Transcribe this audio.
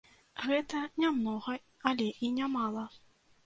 Гэта не многа, але і не мала.